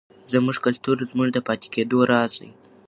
زموږ کلتور زموږ د پاتې کېدو راز دی.